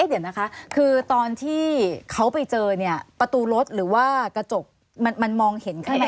เดี๋ยวนะคะคือตอนที่เขาไปเจอเนี่ยประตูรถหรือว่ากระจกมันมองเห็นข้างใน